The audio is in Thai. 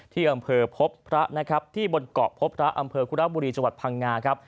ที่อำเภอพบพระนะครับที่บนเกาะพบพระอำเภอคุระบุรีจังหวัดพังงาครับ